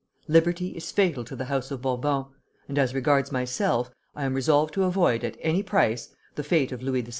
"Liberty is fatal to the house of Bourbon; and as regards myself, I am resolved to avoid, at any price, the fate of Louis XVI.